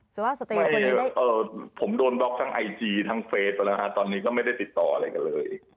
สัตยะคนนี้ได้ผมด้นบล็อกทางไอจีทางเฟสต์ตอนนี้ก็ไม่ได้ติดตออะไรกันเลย